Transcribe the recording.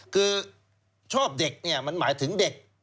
คือชอบเด็กเนี่ยมันหมายถึงเด็ก